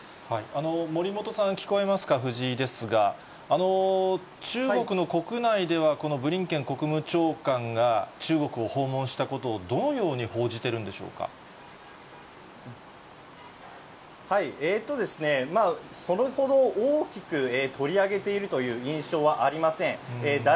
森本さん、聞こえますか、藤井ですが、中国の国内ではこのブリンケン国務長官が中国を訪問したことをどそれほど大きく取り上げているという印象はありません。